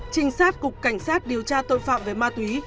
trinh sát cục cảnh sát điều tra tội phạm về ma túy